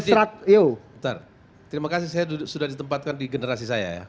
oh ntar terima kasih saya sudah ditempatkan di generasi saya ya